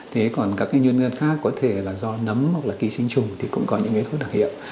thế còn các cái nguyên nhân khác có thể là do nấm hoặc là kỳ sinh trùng thì cũng có những cái đặc hiệu